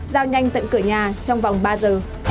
giao nhanh tận cửa nhà trong vòng ba h